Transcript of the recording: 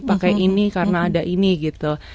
pakai ini karena ada ini gitu